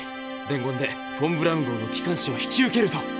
伝言で「フォン・ブラウン号の機関士を引き受ける」と。